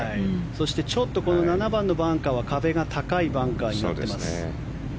そして、７番のバンカーは壁が高いバンカーになっています。